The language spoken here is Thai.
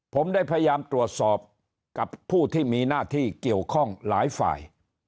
ผมได้พยายามตรวจสอบกับผู้ที่มีหน้าที่เกี่ยวข้องหลายฝ่าย